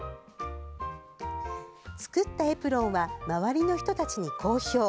作ったエプロンは周りの人たちに好評。